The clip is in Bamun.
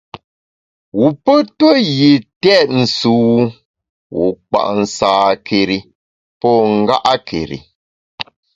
Wu pe ntue yi têt sùwu, wu kpa’ nsâkeri pô nga’keri.